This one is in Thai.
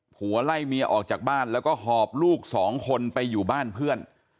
ผัวไล่เมียออกจากบ้านแล้วก็หอบลูกสองคนไปอยู่บ้านเพื่อน